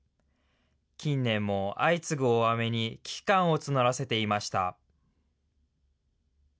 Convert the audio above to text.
近年も相次ぐ大雨に危機感を募らせていました。